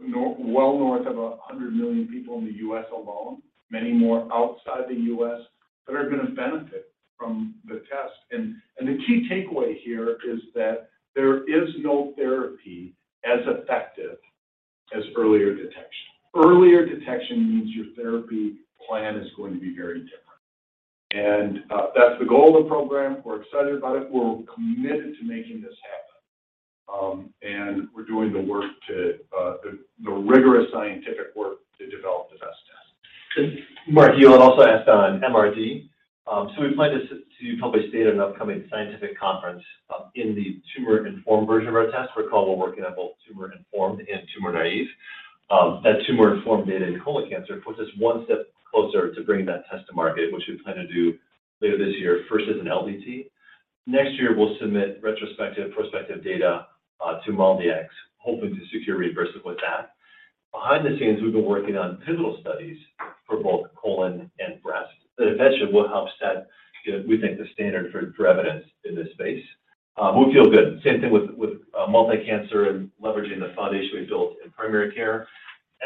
well north of 100 million people in the U.S. alone, many more outside the U.S., that are gonna benefit from the test. The key takeaway here is that there is no therapy as effective as earlier detection. Earlier detection means your therapy plan is going to be very different. That's the goal of the program. We're excited about it. We're committed to making this happen. We're doing the rigorous scientific work to develop the best test. Mark, you had also asked on MRD. We plan to publish data at an upcoming scientific conference in the tumor-informed version of our test. Recall we're working on both tumor-informed and tumor-naive. That tumor-informed data in colon cancer puts us one step closer to bringing that test to market, which we plan to do later this year, first as an LDT. Next year, we'll submit retrospective prospective data to MolDX, hoping to secure reimbursement with that. Behind the scenes, we've been working on pivotal studies for both colon and breast that eventually will help set, we think the standard for evidence in this space. We feel good. Same thing with multi-cancer and leveraging the foundation we built in primary care.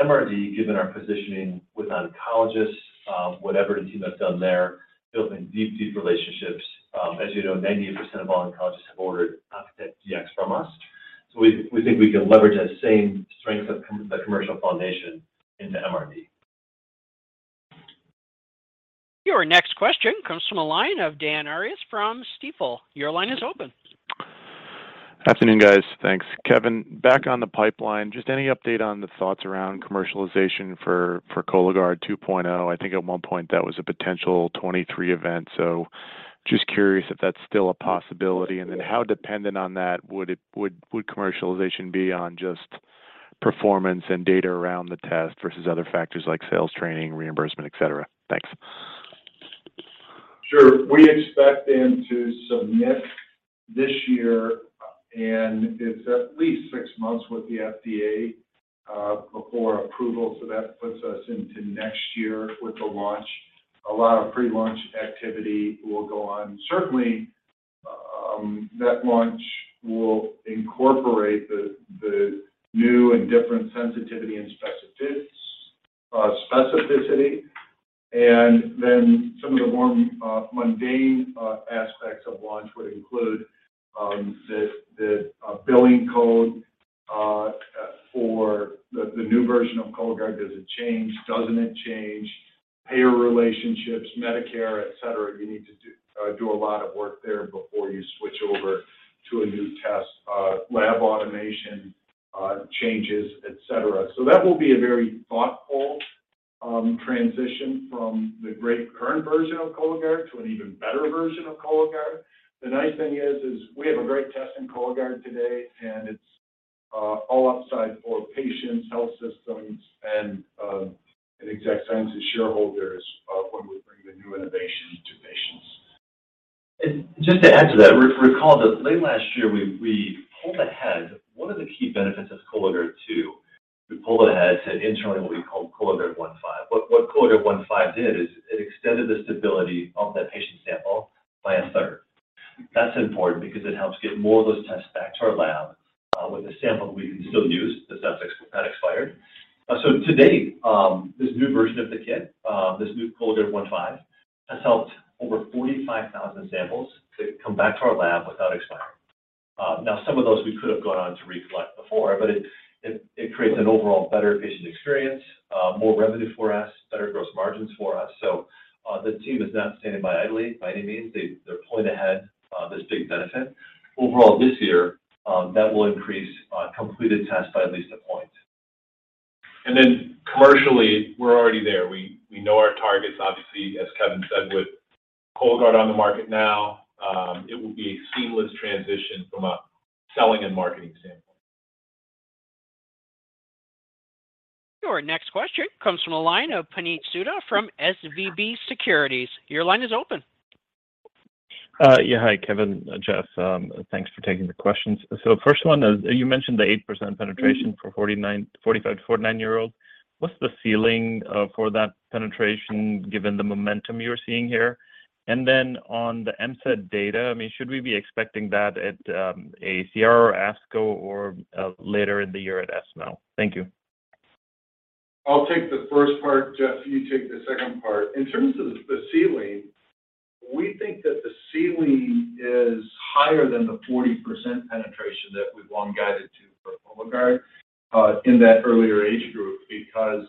MRD, given our positioning with oncologists, what Everett and team have done there, building deep, deep relationships. As you know, 98% of oncologists have ordered Oncotype DX from us. We think we can leverage that same strength of that commercial foundation into MRD. Your next question comes from the line of Dan Arias from Stifel. Your line is open. Afternoon, guys. Thanks. Kevin, back on the pipeline, just any update on the thoughts around commercialization for Cologuard 2.0? I think at one point that was a potential 23 event. Just curious if that's still a possibility, and then how dependent on that would commercialization be on just performance and data around the test versus other factors like sales training, reimbursement, et cetera? Thanks. Sure. We expect to submit this year, and it's at least six months with the FDA before approval. That puts us into next year with the launch. A lot of pre-launch activity will go on. Certainly, that launch will incorporate the new and different sensitivity and specificity. Some of the more mundane aspects of launch would include the billing code for the new version of Cologuard. Does it change? Doesn't it change? Payer relationships, Medicare, et cetera. You need to do a lot of work there before you switch over to a new test. Lab automation, changes, et cetera. That will be a very thoughtful transition from the great current version of Cologuard to an even better version of Cologuard. The nice thing is we have a great test in Cologuard today, and it's all upside for patients, health systems, and Exact Sciences shareholders, when we bring the new innovation to patients. Just to add to that, recall that late last year, we pulled ahead one of the key benefits of Cologuard 2. We pulled ahead to internally what we call Cologuard 1.5. What Cologuard 1.5 did is it extended the stability of that patient sample by a third. That's important because it helps get more of those tests back to our lab with a sample we can still use that's not expired. To date, this new version of the kit, this new Cologuard 1.5, has helped over 45,000 samples to come back to our lab without expiring. Now some of those we could have gone on to recollect before, but it creates an overall better patient experience, more revenue for us, better gross margins for us. The team is not standing by idly by any means. They're pulling ahead, this big benefit. Overall this year, that will increase completed tests by at least a point. Commercially, we're already there. We know our targets. Obviously, as Kevin said, with Cologuard on the market now, it will be a seamless transition from a selling and marketing standpoint. Your next question comes from a line of Puneet Souda from SVB Securities. Your line is open. Yeah. Hi, Kevin, Jeff, thanks for taking the questions. First one is, you mentioned the 8% penetration for 49, 45-49-year-olds. What's the ceiling for that penetration given the momentum you're seeing here? On the MCED data, I mean, should we be expecting that at AACR or ASCO or later in the year at ESMO? Thank you. I'll take the first part, Jeff, you take the second part. In terms of the ceiling, we think that the ceiling is higher than the 40% penetration that we've long guided to for Cologuard in that earlier age group because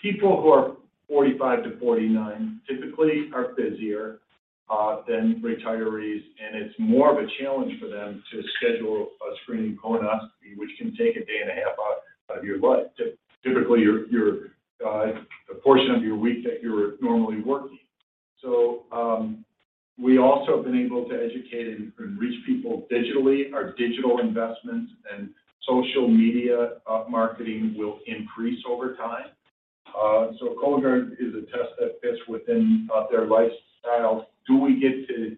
people who are 45 to 49 typically are busier than retirees, and it's more of a challenge for them to schedule a screening colonoscopy, which can take a day and a half out of your life. Typically your, a portion of your week that you're normally working. We also have been able to educate and reach people digitally. Our digital investments and social media marketing will increase over time. Cologuard is a test that fits within their lifestyle. Do we get to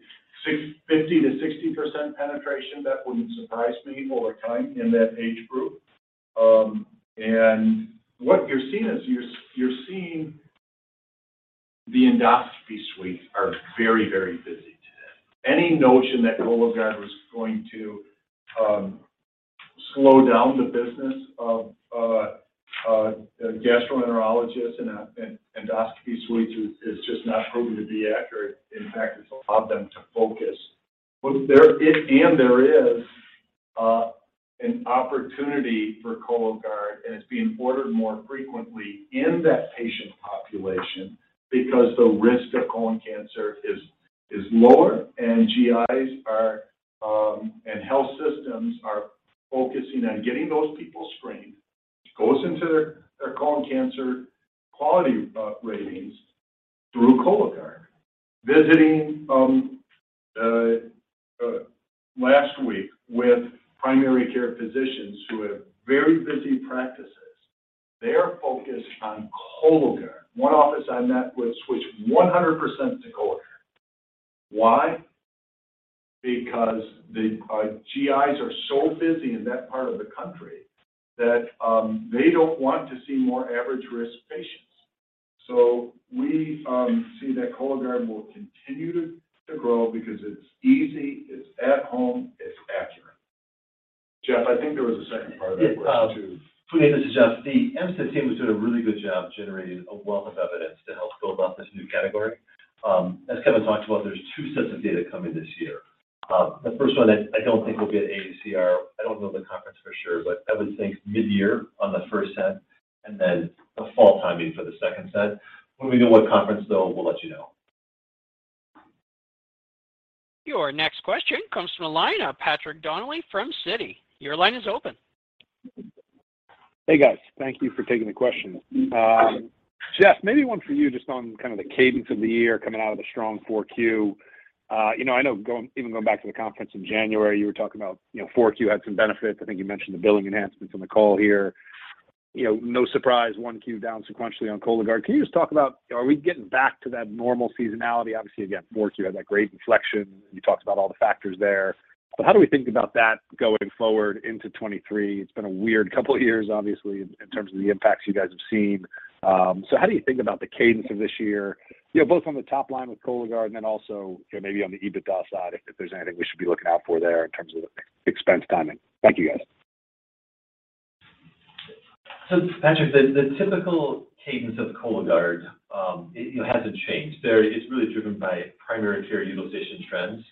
50% to 60% penetration? That wouldn't surprise me over time in that age group. What you're seeing is you're seeing the endoscopy suites are very, very busy today. Any notion that Cologuard was going to slow down the business of gastroenterologists and endoscopy suites is just not proven to be accurate. In fact, it's allowed them to focus. There is an opportunity for Cologuard, and it's being ordered more frequently in that patient population because the risk of colon cancer is lower, and GIs are and health systems are focusing on getting those people screened, which goes into their colon cancer quality ratings through Cologuard. Visiting last week with primary care physicians who have very busy practices, they are focused on Cologuard. One office I met with switched 100% to Cologuard. Why? The GIs are so busy in that part of the country that they don't want to see more average-risk patients. We see that Cologuard will continue to grow because it's easy, it's at home, it's accurate. Jeff, I think there was a second part of that question, too. Puneet, this is Jeff. The MSI team has done a really good job generating a wealth of evidence to help build out this new category. As Kevin talked about, there's two sets of data coming this year. The first one, I don't think will be at AACR. I don't know the conference for sure, but I would think mid-year on the first set, and then the fall timing for the second set. When we know what conference, though, we'll let you know. Your next question comes from the line of Patrick Donnelly from Citi. Your line is open. Hey, guys. Thank you for taking the question. Jeff, maybe one for you just on kind of the cadence of the year coming out of the strong four Q. You know, I know even going back to the conference in January, you were talking about, you know, four Q had some benefits. I think you mentioned the billing enhancements on the call here. You know, no surprise, one Q down sequentially on Cologuard. Can you just talk about, are we getting back to that normal seasonality? Obviously, again, four Q had that great inflection. You talked about all the factors there. How do we think about that going forward into 2023? It's been a weird couple years, obviously, in terms of the impacts you guys have seen. How do you think about the cadence of this year, you know, both on the top line with Cologuard and then also, you know, maybe on the EBITDA side, if there's anything we should be looking out for there in terms of expense timing? Thank you, guys. Patrick, the typical cadence of Cologuard, you know, hasn't changed. It's really driven by primary care utilization trends.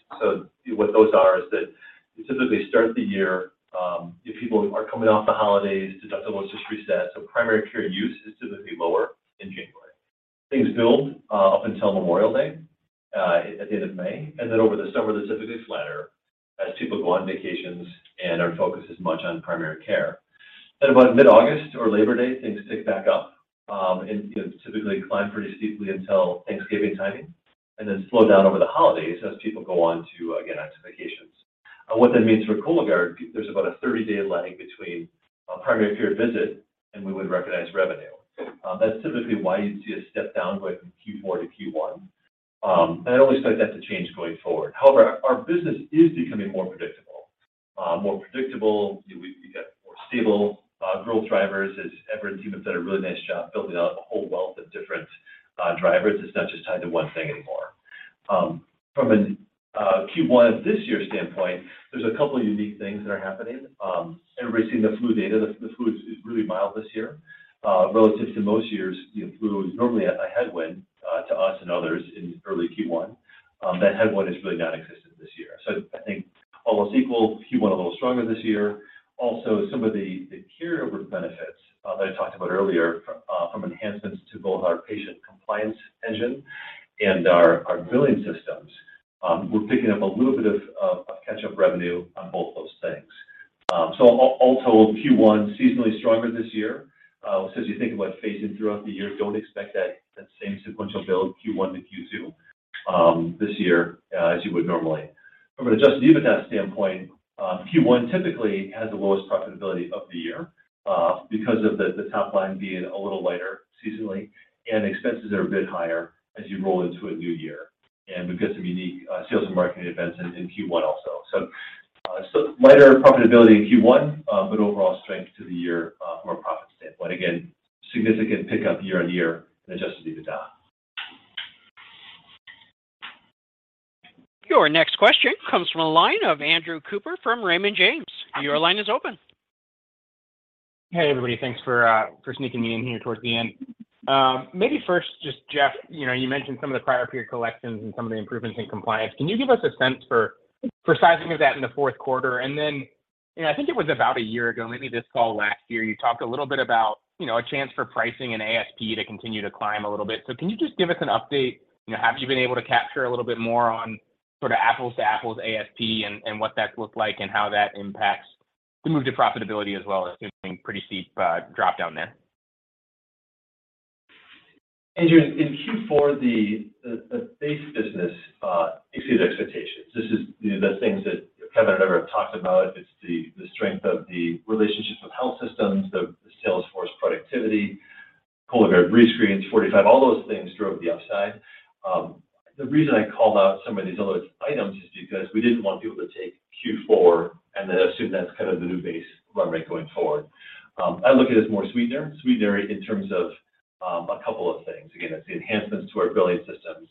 What those are is that you typically start the year, if people are coming off the holidays, deductible just reset, so primary care use is typically lower in January. Things build up until Memorial Day at the end of May, and then over the summer, they're typically flatter as people go on vacations and aren't focused as much on primary care. About mid-August or Labor Day, things tick back up, and, you know, typically climb pretty steeply until Thanksgiving timing, and then slow down over the holidays as people go on to again, onto vacations. What that means for Cologuard, there's about a 30-day lag between a primary care visit and we would recognize revenue. That's typically why you'd see a step down going from Q4 to Q1. I don't expect that to change going forward. However, our business is becoming more predictable. More predictable. You know, we've got more stable growth drivers as Everett and team have done a really nice job building out a whole wealth of different drivers. It's not just tied to one thing anymore. From a Q1 of this year standpoint, there's a couple unique things that are happening. Everybody's seen the flu data. The flu is really mild this year. Relative to most years, you know, flu is normally a headwind to us and others in early Q1. That headwind is really nonexistent this year. I think all else equal, Q1 a little stronger this year. Also, some of the carryover benefits that I talked about earlier from enhancements to both our patient compliance engine and our billing systems, we're picking up a little bit of catch-up revenue on both those things. All told, Q1 seasonally stronger this year. As you think about phasing throughout the year, don't expect that same sequential build Q1 to Q2 this year as you would normally. From an adjusted EBITDA standpoint, Q1 typically has the lowest profitability of the year because of the top line being a little lighter seasonally, and expenses are a bit higher as you roll into a new year. We've got some unique sales and marketing events in Q1 also. Lighter profitability in Q1, but overall strength to the year, from a profit standpoint. Again, significant pickup year-on-year in adjusted EBITDA. Your next question comes from the line of Andrew Cooper from Raymond James. Your line is open. Hey, everybody. Thanks for sneaking me in here towards the end. Maybe first just, Jeff, you know, you mentioned some of the prior period collections and some of the improvements in compliance. Can you give us a sense for sizing of that in the fourth quarter? Then, you know, I think it was about a year ago, maybe this call last year, you talked a little bit about, you know, a chance for pricing and ASP to continue to climb a little bit. Can you just give us an update? You know, have you been able to capture a little bit more on sort of apples to apples ASP and what that's looked like and how that impacts the move to profitability as well as assuming pretty steep drop down there? Andrew, in Q4, the base business exceeded expectations. This is the things that Kevin and Everett have talked about. It's the strength of the relationships with health systems, the sales force productivity, Cologuard rescreens, 45, all those things drove the upside. The reason I called out some of these other items is because we didn't want people to take Q4 and then assume that's kind of the new base run rate going forward. I look at it as more sweeter in terms of a couple of things. Again, it's the enhancements to our billing systems,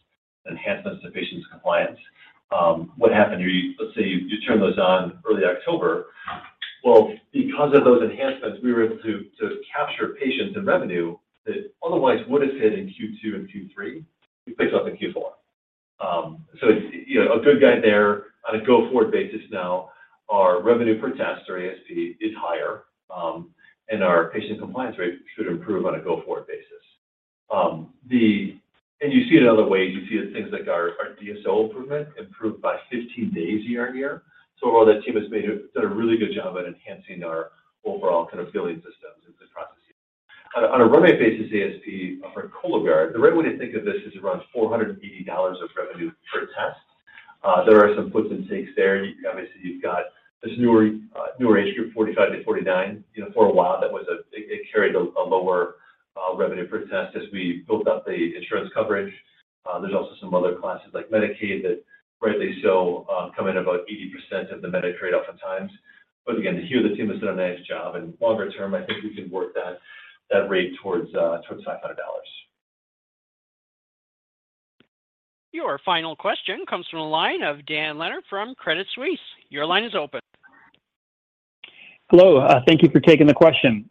enhancements to patients' compliance. What happened here, let's say you turn those on early October. Well, because of those enhancements, we were able to capture patients and revenue that otherwise would have hit in Q2 and Q3. We picked up in Q4. It's, you know, a good guide there on a go-forward basis now. Our revenue per test, or ASP, is higher, and our patient compliance rate should improve on a go-forward basis. You see it in other ways. You see the things like our DSO improvement improved by 50 days year-on-year. Overall, that team has done a really good job at enhancing our overall kind of billing systems and processing. On a run rate basis, ASP for Cologuard, the right way to think of this is around $480 of revenue per test. There are some puts and takes there. You obviously, you've got this newer age group, 45 to 49. You know, for a while, that was a... It carried a lower revenue per test as we built up the insurance coverage. There's also some other classes like Medicaid that rightly so, come in about 80% of the Medicaid oftentimes. Again, here the team has done a nice job, and longer term, I think we can work that rate towards $500. Your final question comes from the line of Dan Leonard from Credit Suisse. Your line is open. Hello. Thank you for taking the question.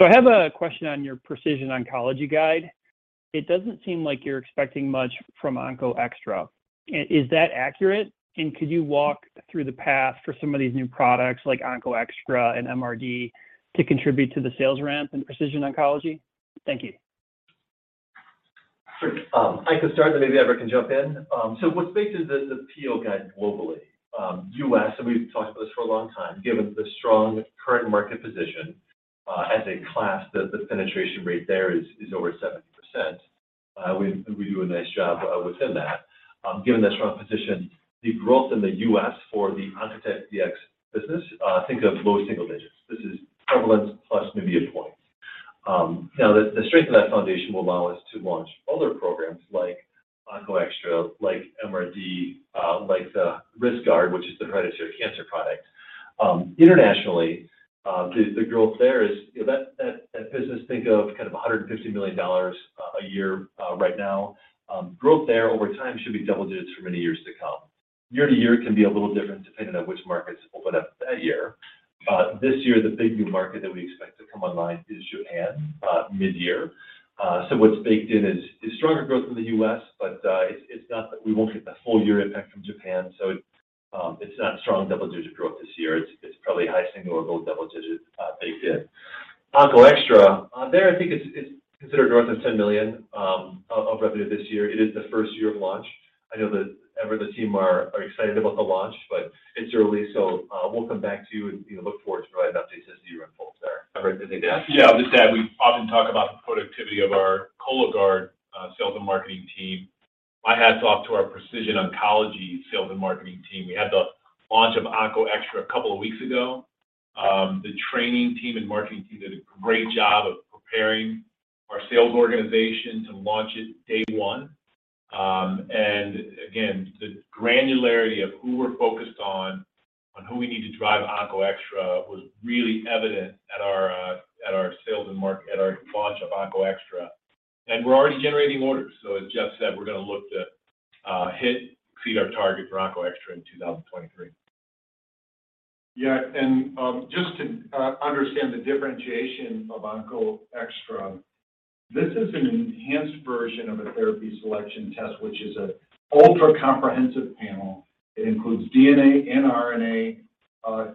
I have a question on your precision oncology guide. It doesn't seem like you're expecting much from OncoExTra. Is that accurate? Could you walk through the path for some of these new products like OncoExTra and MRD to contribute to the sales ramp in precision oncology? Thank you. Sure. I could start, and maybe Everett can jump in. What's baked in the PO guide globally, U.S., and we've talked about this for a long time, given the strong current market position, as a class, the penetration rate there is over 70%. We do a nice job within that. Given the strong position, the growth in the U.S. for the Oncotype DX business, think of low single digits. This is prevalent plus maybe a point. The strength of that foundation will allow us to launch other programs like OncoExTra, like MRD, like the Riskguard, which is the hereditary cancer product. Internationally, the growth there is... That business, think of kind of $150 million a year right now. Growth there over time should be double digits for many years to come. Year to year can be a little different depending on which markets open up that year. This year, the big new market that we expect to come online is Japan mid-year. What's baked in is stronger growth in the U.S., but it's not that we won't get the full year impact from Japan. It's not strong double-digit growth this year. It's probably high single or low double digits baked in. OncoExTra there, I think it's considered north of $10 million of revenue this year. It is the first year of launch. I know that Everett and the team are excited about the launch, but it's early, so we'll come back to you and, you know, look forward to providing updates as the year unfolds there. Everett, anything to add? I'll just add, we often talk about the productivity of our Cologuard sales and marketing team. My hats off to our precision oncology sales and marketing team. We had the launch of OncoExTra a couple of weeks ago. The training team and marketing team did a great job of preparing our sales organization to launch it day one. And again, the granularity of who we're focused on who we need to drive OncoExTra was really evident at our launch of OncoExTra. We're already generating orders. As Jeff Elliott said, we're gonna look to hit, exceed our target for OncoExTra in 2023. Just to understand the differentiation of OncoExTra, this is an enhanced version of a therapy selection test, which is a ultra-comprehensive panel. It includes DNA and RNA.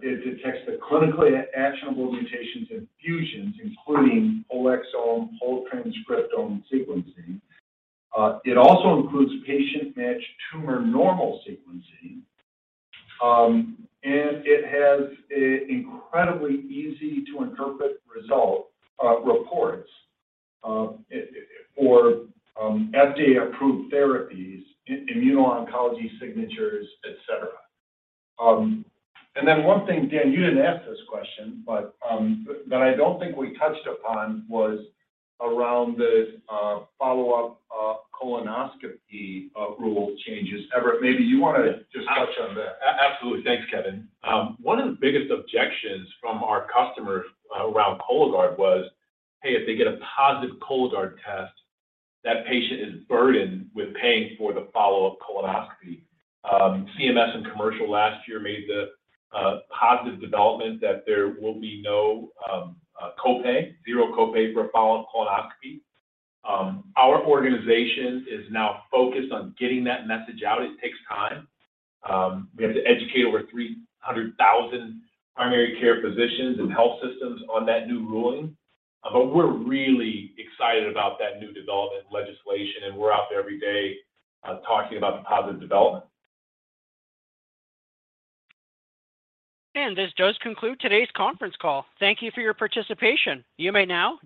It detects the clinically actionable mutations and fusions, including whole exome, whole transcriptome sequencing. It also includes patient-matched tumor normal sequencing. It has a incredibly easy to interpret result reports for FDA-approved therapies, immuno-oncology signatures, et cetera. One thing, Dan, you didn't ask this question, I don't think we touched upon was around the follow-up colonoscopy rule changes. Everett, maybe you wanna just touch on that. Absolutely. Thanks, Kevin. One of the biggest objections from our customers around Cologuard was, hey, if they get a positive Cologuard test, that patient is burdened with paying for the follow-up colonoscopy. CMS and commercial last year made the positive development that there will be no copay, zero copay for a follow-up colonoscopy. Our organization is now focused on getting that message out. It takes time. We have to educate over 300,000 primary care physicians and health systems on that new ruling. We're really excited about that new development legislation, and we're out there every day, talking about the positive development. This does conclude today's conference call. Thank you for your participation. You may now.